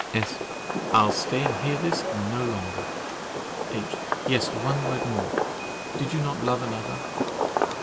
S. I'll stay and hear this no longer. H. Yes, one word more. Did you not love another?